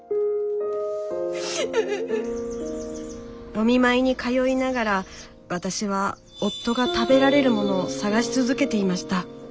お見舞いに通いながら私は夫が食べられるものを探し続けていました。